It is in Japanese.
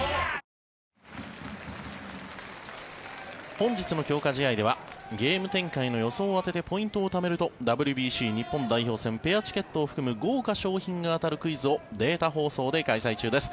本日の強化試合ではゲーム展開の予想を当ててポイントをためるとＷＢＣ日本代表戦ペアチケットを含む豪華賞品が当たるクイズをデータ放送で開催中です。